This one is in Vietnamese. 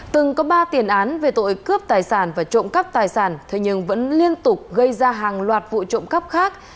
từng có ba tiền án về tội cướp tài sản và trộm cắp tài sản thế nhưng vẫn liên tục gây ra hàng loạt vụ trộm cắp khác